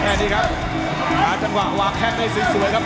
แค่นี้ครับหาจังหวะวางแข้งได้สวยครับ